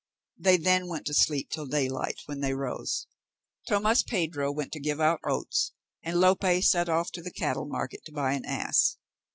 They then went to sleep till daylight, when they rose; Tomas Pedro went to give out oats, and Lope set off to the cattle market to buy an ass.